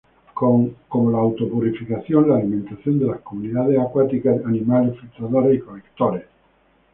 Como la auto-purificación, la alimentación de las comunidades acuáticas, animales filtradores y colectores.